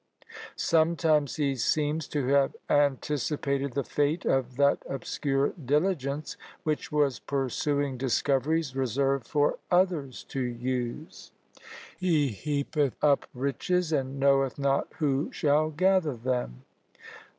Sometimes he seems to have anticipated the fate of that obscure diligence which was pursuing discoveries reserved for others to use: He heapeth up riches, and knoweth not who shall gather them.